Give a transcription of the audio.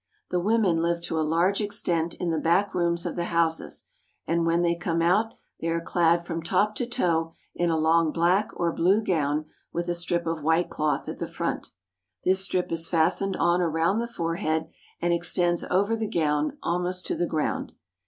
The women live to a large extent in the back rooms of the houses, and when they come out, they are clad from top to toe in a long black or blue gown with a strip of white cloth at the front. This strip is fas tened on around the forehead and extends over the gown almost to the ground.